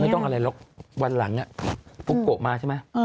ต้องอะไรหรอกวันหลังปุ๊กโกะมาใช่ไหม